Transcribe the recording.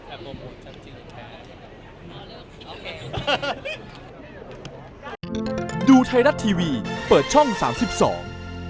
แอปโปรโมทใช้ไม่จริง